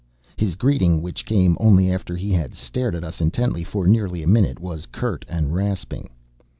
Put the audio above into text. His greeting, which came only after he had stared at us intently, for nearly a minute, was curt and rasping.